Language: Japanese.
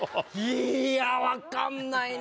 いや分かんないな。